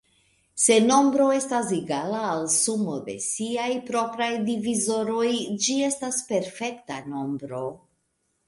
Se nombro estas egala al sumo de siaj propraj divizoroj, ĝi estas perfekta nombro.